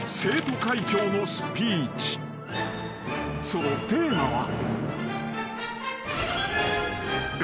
［そのテーマは］